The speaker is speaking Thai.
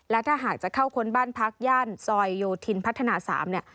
และถ้าหากจะเข้าค้นบ้านพักย่านซอยโยธินพัฒนา๓เนี่ย